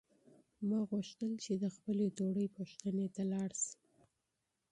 ما غوښتل چې د خپلې ترور پوښتنې ته لاړ شم.